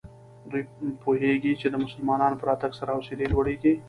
دوی پوهېږي چې د مسلمانانو په راتګ سره حوصلې لوړېږي.